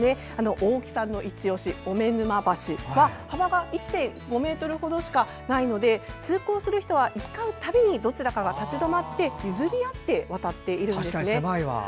大木さんのいちオシ小目沼橋は幅が１．５ｍ程しかないので通行する人は行き交う度にどちらかが立ち止まって譲り合って渡っているんですね。